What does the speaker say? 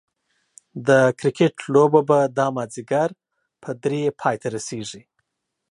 د کرکټ لوبه به دا ماځيګر په دري پايي ته رسيږي